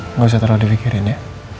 nggak usah terlalu dipikirin ya